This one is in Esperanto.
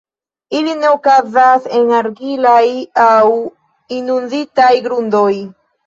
Ili ne okazas en argilaj aŭ inunditaj grundoj.